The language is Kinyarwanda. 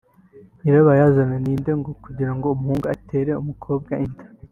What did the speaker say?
nyirabayazana ni nde kugira ngo umuhungu atere umukobwa inda